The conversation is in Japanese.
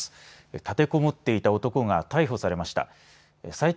立てこもっていた男が逮捕されました。